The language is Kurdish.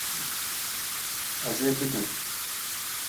Ez ê bidim.